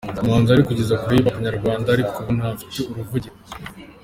umuhanzi wari kuzageza kure hip hop nyarwanda ariko ubu ntafite uruvugiro.